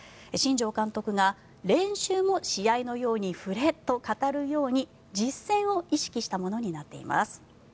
新庄監督が練習も試合のように振れと語るように実戦を意識したものになっています。